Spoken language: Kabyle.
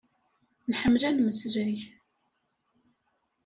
Nḥemmel ad nmeslay.